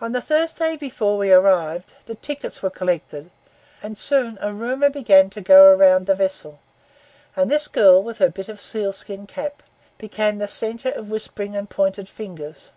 On the Thursday before we arrived, the tickets were collected; and soon a rumour began to go round the vessel; and this girl, with her bit of sealskin cap, became the centre of whispering and pointed fingers.